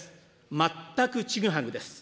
全くちぐはぐです。